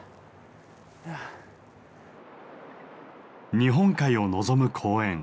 日本海を望む公園。